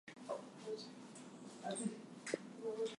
The strip is characterized by dry and cynical humor.